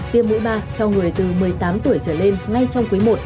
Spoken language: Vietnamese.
tiêm mũi ba cho người từ một mươi tám tuổi trở lên ngay trong quý i